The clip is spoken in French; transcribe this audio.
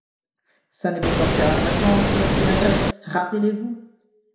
Ça ne vous portera pas chance, monsieur Maigrat, rappelez-vous!